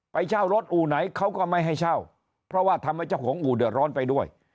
เช่ารถอู่ไหนเขาก็ไม่ให้เช่าเพราะว่าทำให้เจ้าของอู่เดือดร้อนไปด้วย